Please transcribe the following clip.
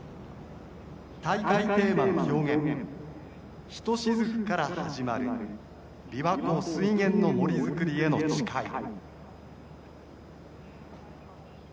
「大会テーマの表現『ひとしずくから始まるびわ湖水源の森林づくりへの誓い』。